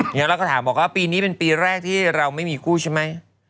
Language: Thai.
เดี๋ยวเราก็ถามบอกว่าปีนี้เป็นปีแรกที่เราไม่มีคู่ใช่ไหม